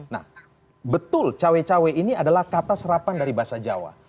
nah betul cawe cawe ini adalah kata serapan dari bahasa jawa